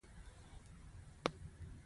لومړی وار یې پر ما وکړ.